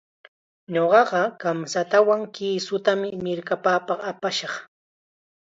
Ñuqaqa kamchatawan kisutam mirkapapaq apashaq.